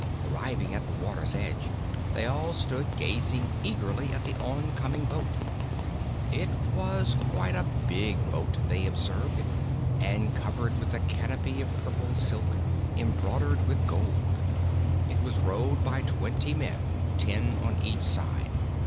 Arriving at the water's edge, they all stood gazing eagerly at the oncoming boat. It was quite a big boat, they observed, and covered with a canopy of purple silk, embroidered with gold. It was rowed by twenty men, ten on each side.